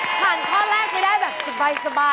ผ่านข้อแรกจะได้แบบสบายเลยค่ะ